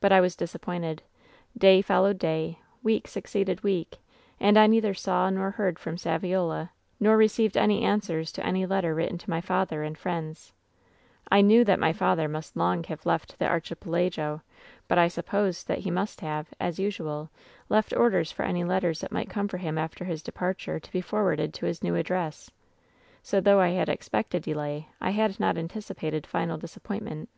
"But I was disappointed. Day followed day, week succeeded week, and I neither saw nor heard from Saviola, nor received any answers to any letter written to my father and friends, "I knew that my father must long have left the archi pelago, but I supposed that he must have — as usual — left orders for any letters that might come for him after his departure to be forwarded to his new address ; so, though I had expected delay, I had not anticipated final disappointment.